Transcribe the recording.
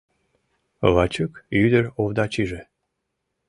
Вачук ӱдыр Овдачиже